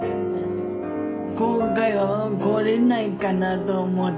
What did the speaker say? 今回は来れないかなと思って。